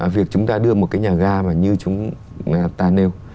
việc chúng ta đưa một cái nhà ga mà như chúng ta nêu